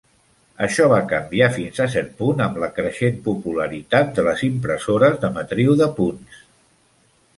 Això va canviar fins a cert punt amb la creixent popularitat de les impressores de matriu de punts.